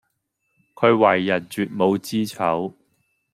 佢為人絕無知醜